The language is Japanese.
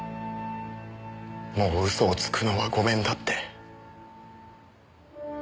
もう嘘をつくのは御免だって。